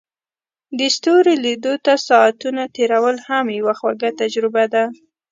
د ستورو لیدو ته ساعتونه تیرول هم یوه خوږه تجربه ده.